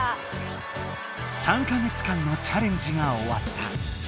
３か月間のチャレンジがおわった。